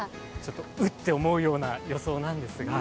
ウッて思うような予想なんですが。